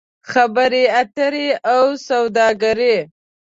خبرې اترې او سوداګري